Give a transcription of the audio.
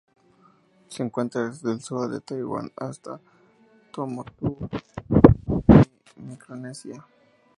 Se encuentra desde el sur de Taiwán hasta las Tuamotu, Tonga y Micronesia.